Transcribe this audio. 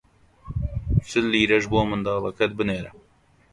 چل لیرەش بۆ منداڵەکانت بنێرە!